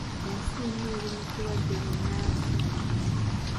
Ensi yonna eri mu kirwadde bbunansi.